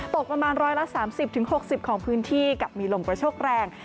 ประมาณ๑๓๐๖๐ของพื้นที่กับมีลมกระโชคแรง